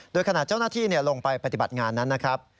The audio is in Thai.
โดยขณะเจ้าหน้าที่ลงไปปฏิบัติงานนั้นนะครับ